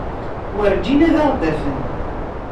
Werǧin ad aɣ-d-afen.